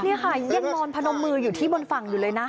นี่ค่ะยังนอนพนมมืออยู่ที่บนฝั่งอยู่เลยนะ